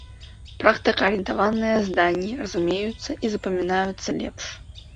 Практыка-арыентаваныя заданні разумеюцца і запамінаюцца лепш.